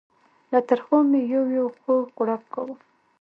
له ترخو مې یو یو خوږ غړپ کاوه.